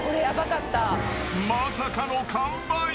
まさかの完売。